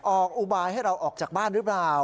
อุบายให้เราออกจากบ้านหรือเปล่า